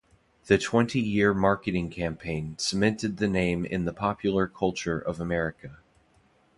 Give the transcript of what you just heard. The twenty-year marketing campaign cemented the name in the popular culture of America.